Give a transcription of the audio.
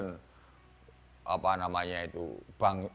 enggak enggak ada itu ayat yang mengharuskan